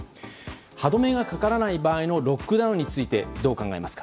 歯止めがかからない場合のロックダウンについてどう考えるか。